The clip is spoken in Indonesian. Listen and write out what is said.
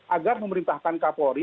agar memerintahkan kapolri